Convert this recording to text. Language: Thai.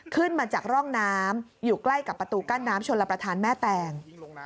ขึ้นมาจากร่องน้ำอยู่ใกล้กับประตูกั้นน้ำชนรับประทานแม่แตง